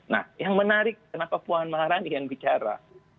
nah yang menarik kenapa puan maharani yang bicara